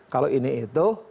kalau ini itu